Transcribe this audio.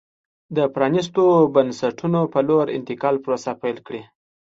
د پرانېستو بنسټونو په لور انتقال پروسه پیل کړي.